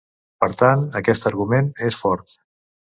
Per tant, aquest argument és fort.